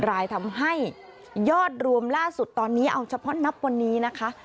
รายทำให้ยอดรวมล่าสุดตอนนี้เอาเฉพาะนับวันนี้นะคะ